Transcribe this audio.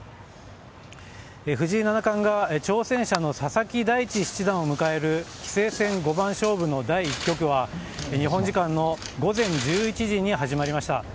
藤井七冠が挑戦者の佐々木大地七段を迎える棋聖戦五番勝負の第１局は日本時間の午前１１時に始まりました。